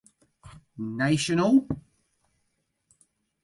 Nacional.